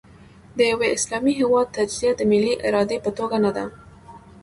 د یوه اسلامي هېواد تجزیه د ملي ارادې په توګه نه ده.